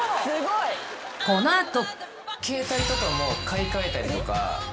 ［この後］